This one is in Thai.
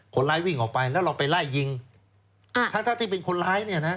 คนร้ายวิ่งออกไปแล้วเราไปไล่ยิงอ่าทั้งทั้งที่เป็นคนร้ายเนี่ยนะ